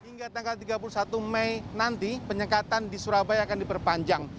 hingga tanggal tiga puluh satu mei nanti penyekatan di surabaya akan diperpanjang